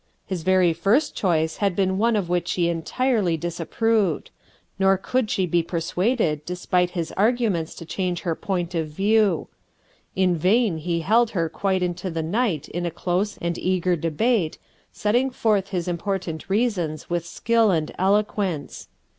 His very first choice had been one of which she entirely disapproved; nor could she be per suaded despite his arguments to change her point of view. In vain he held her quite into the night in a close and eager debate, setting forth his important reasons with skill and eloquence.